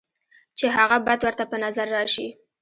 چې هغه بد ورته پۀ نظر راشي،